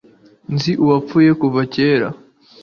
Nzi uwapfuye kuva kera.